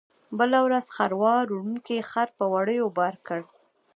بله ورځ خروار وړونکي خر په وړیو بار کړ.